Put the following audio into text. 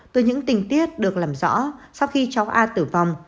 từ những tình tiết được làm rõ sau khi cháu a tử vong